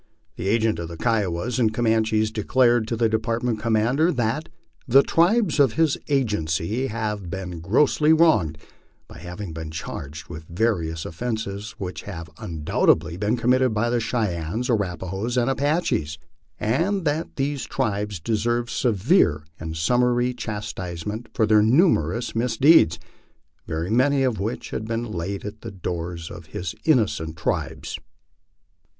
The agent of the Kiowas and Comanches declared to the department commander that " the tribes of his agency had been grossly wronged by having been charged with various offences which had undoubtedly been committed by the Cheyennes, Arrapahoes, and Apaches, and that these tribes deserved severe and summary chastisement for their numerous misdeeds, very many of which had been laid at the doors of his innocent tribes."